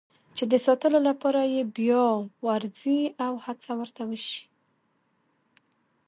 چې د ساتلو لپاره یې بیا وارزي او هڅه ورته وشي.